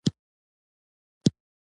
چې چاړه ويني نو ما نه ويني.